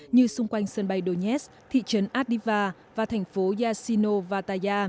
như xung quanh sân bay donetsk thị trấn adyva và thành phố yasinovataya